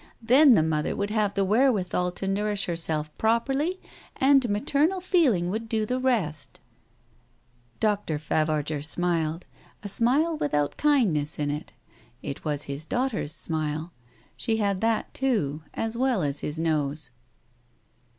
Then the mother would have the wherewithal to nourish herself properly and maternal feeling would do the rest." Dr. Favarger smiled, a smile without kindness in it. It was his daughter's smile. She had that too, as well as his nose.